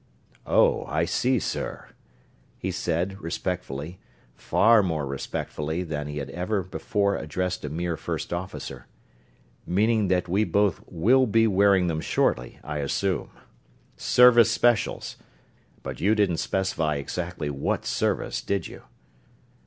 "Oh, I see, sir," he said, respectfully far more respectfully than he had ever before addressed a mere first officer. "Meaning that we both will be wearing them shortly, I assume. 'Service Specials' but you didn't specify exactly what Service, did you?"